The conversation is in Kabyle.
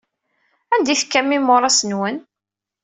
Anda ay tekkam imuras-nwen?